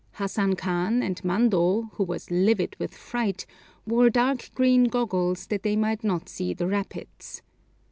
Hassan Khan, and Mando, who was livid with fright, wore dark green goggles, that they might not see the rapids.